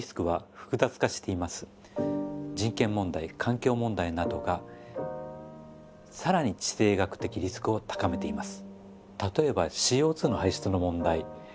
人権問題環境問題などがさらに地政学的リスクを高めています。